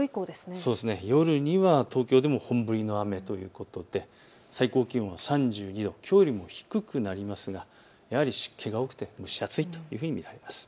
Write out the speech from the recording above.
夜には東京でも本降りの雨ということで最高気温は３２度、きょうよりも低くなりますがやはり湿気が多くて蒸し暑いというふうに見られます。